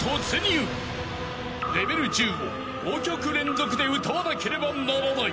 ［レベル１０を５曲連続で歌わなければならない］